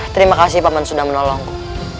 terima kasih paman sudah menolongku